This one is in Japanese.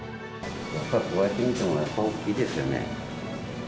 こうやって見てもやっぱり大きいですよね。